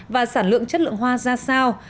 và sản lượng chất lượng hoa ra sao